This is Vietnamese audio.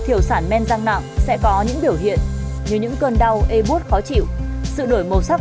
thiểu sản men răng nặng sẽ có những biểu hiện như những cơn đau e bút khó chịu sự đổi màu sắc